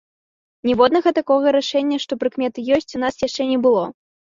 Ніводнага такога рашэння, што прыкметы ёсць, у нас яшчэ не было.